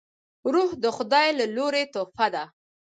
روح د خداي له لورې تحفه ده